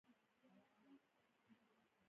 هغه ډیر زیات حیران شوی و.